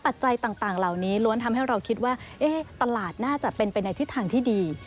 ปัจจัยต่างเหล่านี้ล้วนทำให้เราคิดว่าตลาดน่าจะเป็นไปในทิศทางที่ดี